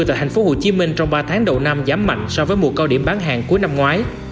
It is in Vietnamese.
tại thành phố hồ chí minh trong ba tháng đầu năm giảm mạnh so với mùa cao điểm bán hàng cuối năm ngoái